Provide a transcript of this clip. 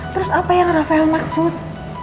terus apa yang rafael maksud